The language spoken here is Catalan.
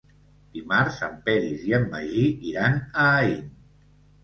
Dimarts en Peris i en Magí iran a Aín.